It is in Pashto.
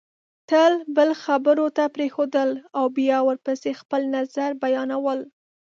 تل بل خبرو ته پرېښودل او بیا ورپسې خپل نظر بیانول